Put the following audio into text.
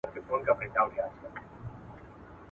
ښوونکي وويل چي علم د نړۍ تيارې روښانه کوي.